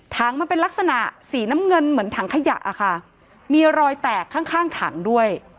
มันเป็นลักษณะสีน้ำเงินเหมือนถังขยะค่ะมีรอยแตกข้างข้างถังด้วย